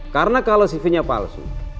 karena kalau cv nya palsu